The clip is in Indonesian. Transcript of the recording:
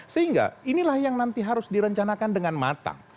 sehingga inilah yang nanti harus direncanakan dengan matang